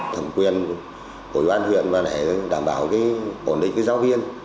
thẩm quyền của bán huyện là để đảm bảo ổn định giáo viên